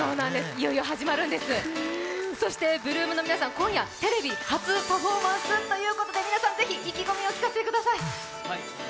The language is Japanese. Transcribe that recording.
いよいよ始まるんです、そして８ＬＯＯＭの皆さん、今夜テレビ初パフォーマンスということで皆さん、ぜひ意気込みを聞かせてください。